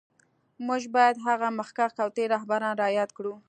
موږ باید هغه مخکښ او تېر رهبران را یاد کړو